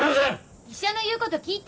医者の言うこと聞いて！